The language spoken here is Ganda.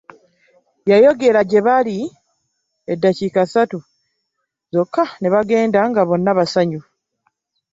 Yayogera gye bali eddakiika ssatu zokka ne bagenda nga bonna basanyufu.